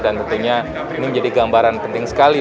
dan tentunya ini menjadi gambaran penting sekali